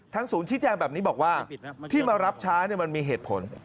ศูนย์ชี้แจงแบบนี้บอกว่าที่มารับช้ามันมีเหตุผล